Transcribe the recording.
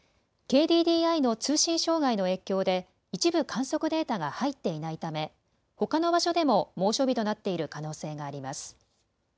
ＫＤＤＩの通信障害の影響で一部観測データが入っていないためほかの場所でも猛暑日となっている可能性があります。